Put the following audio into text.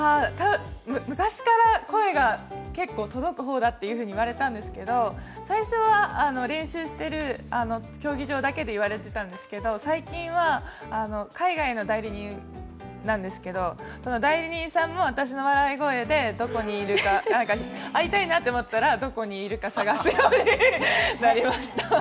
昔から声が結構届く方だって言われたんですけど最初は練習してる競技場だけで言われてたんですけど、最近は、海外の代理人なんですけど、代理人さんも私の笑い声でどこにいるか、会いたいなと思ったら、どこにいるか探すようになりました。